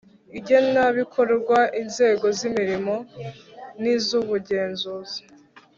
igenabikorwa inzego z imirimo n iz ubugenzuzi